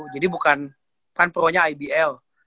jadi bukan kan pro nya ibl